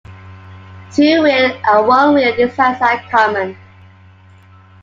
Two wheel and one wheel designs are common.